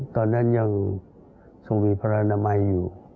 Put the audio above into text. ตอนนั้นยังทรงมีพระนามัยอยู่